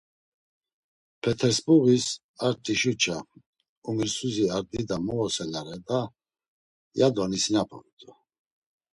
Petersburgis ar t̆işuça, umrisuzi ar dida movoselare da, yado nisinapamt̆u.